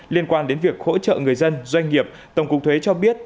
liên quan đến việc hỗ trợ người dân doanh nghiệp tổng cục thuế cho biết